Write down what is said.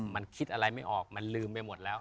มันคิดอะไรไม่ออกมันลืมไปหมดแล้ว